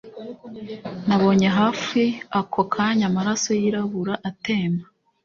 Nabonye hafi ako kanya amaraso yirabura atemba